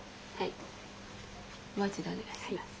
もう一度お願いします。